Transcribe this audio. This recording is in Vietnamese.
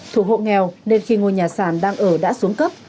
thuộc hộ nghèo nên khi ngôi nhà sàn đang ở đã xuống cấp